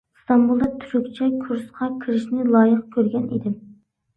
ئىستانبۇلدا تۈركچە كۇرسقا كىرىشنى لايىق كۆرگەن ئىدىم.